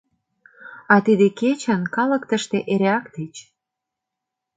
А тиде кечын калык тыште эреак тич.